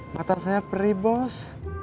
matah saya perih bos